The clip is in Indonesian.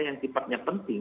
yang tipe nya penting